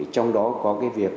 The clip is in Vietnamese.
trong đó có cái việc